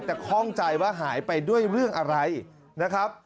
แต่ข้องใจว่าหายไปด้วยเรื่องอะไรนะครับ